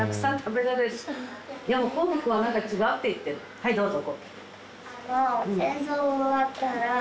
はいどうぞ。